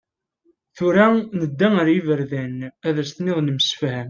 Tura, nedda ar yiberdan, Ad as-tiniḍ nemsefham.